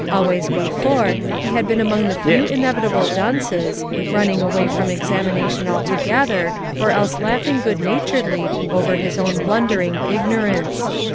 Always before he had been among the few inevitable dunces, running away from examination altogether, or else laughing good naturedly over his own blundering ignorance.